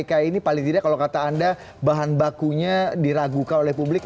bisa membuat kpk ini paling tidak kalau kata anda bahan bakunya diragukan oleh publik